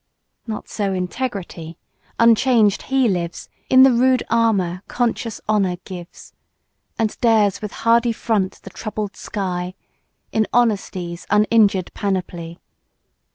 Not so Integrity ; unchanged he lives In the rude armour conscious Honour gives, And dares with hardy front the troubled sky, In Honesty's uninjured panoply.